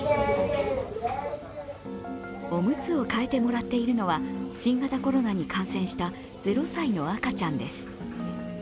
おむつを替えてもらっているのは、新型コロナに感染した０歳の赤ちゃんです。